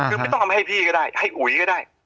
คือไม่ต้องเอามาให้พี่ก็ได้ให้อุ๋ยก็ได้